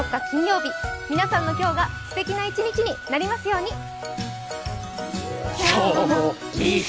金曜日皆さんの今日がすてきな１日になりますように。